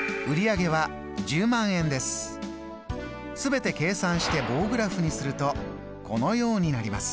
全て計算して棒グラフにするとこのようになります。